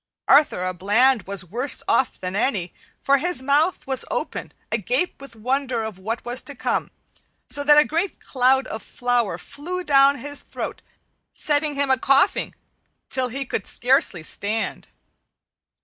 Arthur a Bland was worse off than any, for his mouth was open, agape with wonder of what was to come, so that a great cloud of flour flew down his throat, setting him a coughing till he could scarcely stand.